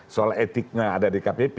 soal etiknya ada di kpp